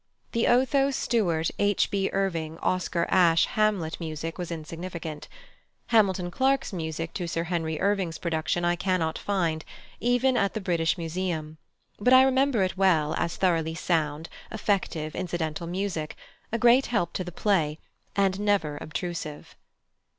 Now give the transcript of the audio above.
The Otho Stuart H. B. Irving Oscar Asche Hamlet music was insignificant. +Hamilton Clark's+ music to Sir Henry Irving's production I cannot find, even at the British Museum, but I remember it well as thoroughly sound, effective incidental music, a great help to the play, and never obtrusive.